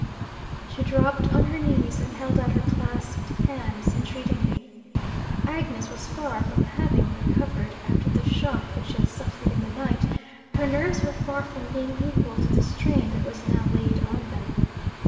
She dropped on her knees, and held out her clasped hands entreatingly. Agnes was far from having recovered, after the shock that she had suffered in the night: her nerves were far from being equal to the strain that was now laid on them.